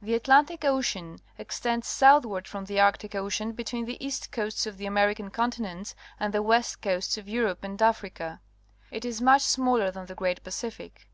The Atlantic Ocean extends southward from the Arctic Ocean between the east coasts of the American continents and the west coasts of Europe and Africa. It is much smaller than the great Pacific.